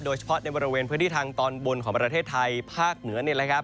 โดยเฉพาะในบริเวณพื้นที่ทางตอนบนของประเทศไทยภาคเหนือ